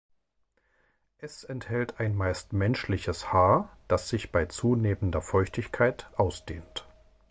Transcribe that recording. Es enthält ein meist menschliches Haar, das sich bei zunehmender Feuchtigkeit ausdehnt.